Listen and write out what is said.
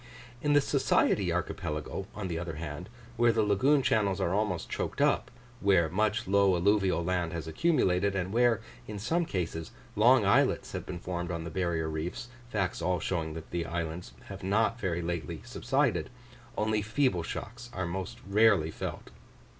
In the Society archipelago, on the other hand, where the lagoon channels are almost choked up, where much low alluvial land has accumulated, and where in some cases long islets have been formed on the barrier reefs facts all showing that the islands have not very lately subsided only feeble shocks are most rarely felt.